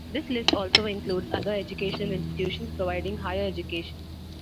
This list also includes other educational institutions providing higher education.